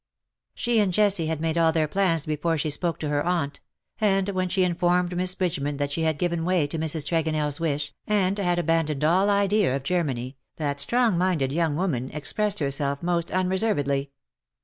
She and Jessie had made all their plans before she spoke to her aunt ; and when she informed Miss Bridgeman that she had given way to Mrs. TregonelFs wish, and had abandoned all idea of Germany, that strong minded young woman ex pressed herself most unreservedly.